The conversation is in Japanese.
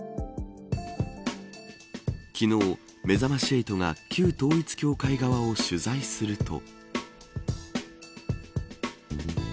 昨日、めざまし８が旧統一教会側を取材すると。